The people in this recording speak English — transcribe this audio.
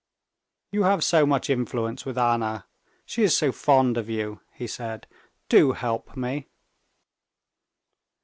"You have so much influence with Anna, she is so fond of you," he said; "do help me."